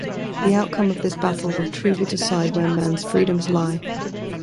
The outcome of this battle will truly decide where man's freedoms lie.